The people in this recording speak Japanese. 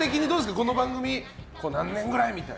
この番組、何年ぐらいみたいな。